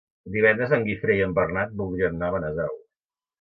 Divendres en Guifré i en Bernat voldrien anar a Benasau.